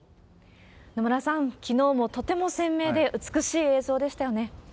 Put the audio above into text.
野村さん、きのうもとても鮮明で美しい映像でしたよね。